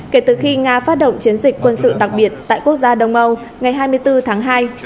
kể từ khi nga phát động chiến dịch quân sự đặc biệt tại quốc gia đông âu ngày hai mươi bốn tháng hai